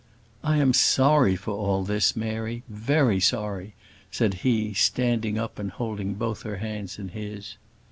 "I am sorry for all this, Mary; very sorry," said he, standing up, and holding both her hands in his.